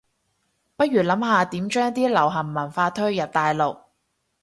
不如諗下點將啲流行文化推入大陸